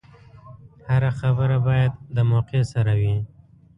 هره خبره باید د موقع سره وي.